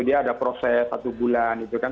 dia ada proses satu bulan gitu kan